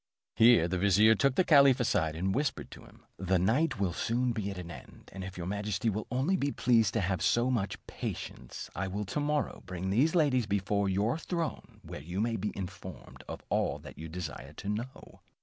Here the vizier took the caliph aside, and whispered to him, "The night will soon be at an end, and if your majesty will only be pleased to have so much patience, I will to morrow morning bring these ladies before your throne, where you may be informed of all that you desire to know."